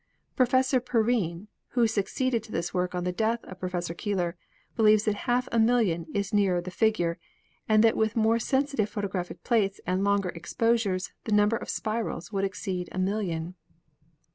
Professor Perrine, who succeeded to this work on the death of Professor Keeler, believes that half a million is nearer the figure, and that with more sensitive photographic plates and longer exposures the number of spirals would exceed a million.